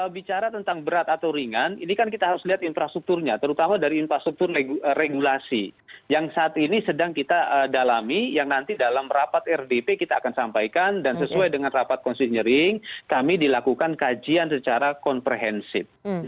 bicara tentang berat atau ringan ini kan kita harus lihat infrastrukturnya terutama dari infrastruktur regulasi yang saat ini sedang kita dalami yang nanti dalam rapat rdp kita akan sampaikan dan sesuai dengan rapat konsinyering kami dilakukan kajian secara komprehensif